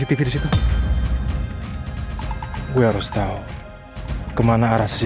nanti mama akan datang ke kantor nino